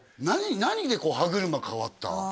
何で歯車変わった？